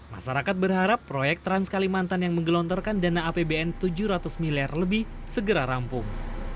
masyarakat berharap proyek trans kalimantan yang menggelontorkan dana apbn tujuh ratus miliar lebih segera rampung